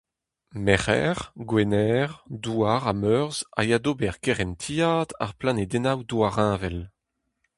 Merc'her, Gwener, Douar ha Meurzh a ya d'ober kerentiad ar planedennoù douarheñvel.